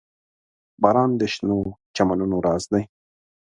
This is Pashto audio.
• باران د شنو چمنونو راز دی.